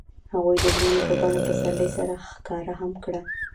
هغوی د ژمنې په بڼه پسرلی سره ښکاره هم کړه.